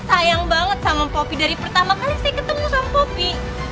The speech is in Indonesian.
karena saya udah sayang banget sama poppy dari pertama kali saya ketemu sama poppy